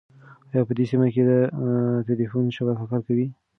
ایا په دې سیمه کې د تېلیفون شبکه کار کوي؟